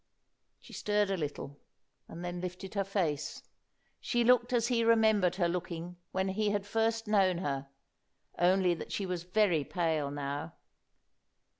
She stirred a little, and then lifted her face. She looked as he remembered her looking when he had first known her, only that she was very pale now.